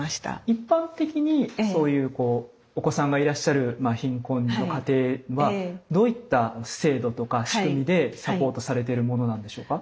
一般的にそういうこうお子さんがいらっしゃる貧困の家庭はどういった制度とか仕組みでサポートされてるものなんでしょうか？